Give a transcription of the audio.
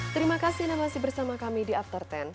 terima kasih anda masih bersama kami di after sepuluh